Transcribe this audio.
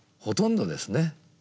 ほとんどですね。